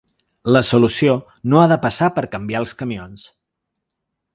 La solució no ha de passar per canviar els camions.